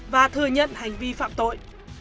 và thừa nhận hành vi phạm tội